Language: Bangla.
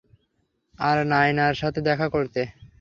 আর নায়নার সাথে দেখা করতে।